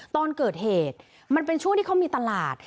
ตอนเกิดเหตุมันเป็นช่วงที่เขามีตลาด